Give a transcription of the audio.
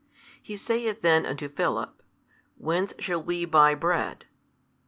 He saith then unto Philip, Whence shall we buy bread?